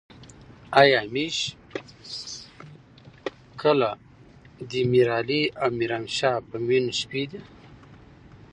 ای ميژ کله دې ميرعلي او میرومشا په میون شې ده